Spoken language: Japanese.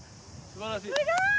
すごーい！